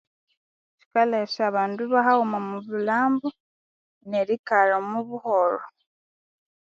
Yikaletha abandu bahaghuma omobulhambo nerikalha omubuholho